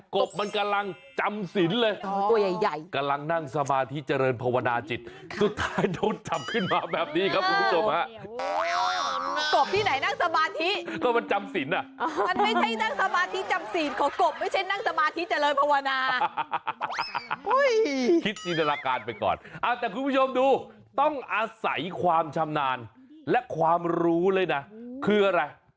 กบมันกำลังจำสินเลย